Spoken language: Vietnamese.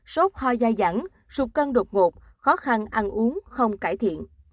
sốt ho dài dẳng sụp cân đột ngột khó khăn ăn uống không cải thiện